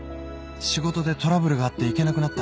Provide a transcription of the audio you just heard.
「仕事でトラブルがあって行けなくなった」